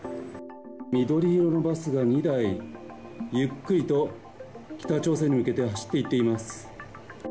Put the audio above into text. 緑色のバスが２台、ゆっくりと北朝鮮に向けて走っていっています。